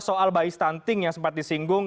soal by stunting yang sempat disinggung